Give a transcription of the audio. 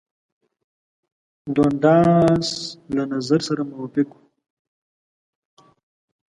دونډاس له نظر سره موافق وو.